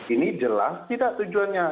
ini jelas tidak tujuannya